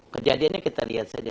kejadiannya kita lihat saja